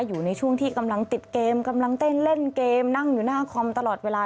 อยู่ในช่วงที่กำลังติดเกมกำลังเต้นเล่นเกมนั่งอยู่หน้าคอมตลอดเวลา